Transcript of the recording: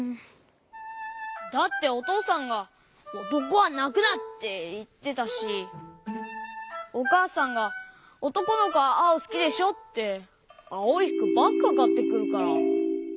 だっておとうさんが「おとこはなくな！」っていってたしおかあさんが「おとこのこはあおすきでしょ」ってあおいふくばっかかってくるから。